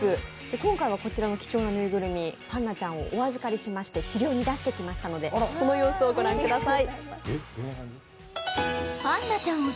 今回はこちらの貴重な縫いぐるみ、パンナちゃんをお預かりしまして治療に出してきましたのでその様子を御覧ください。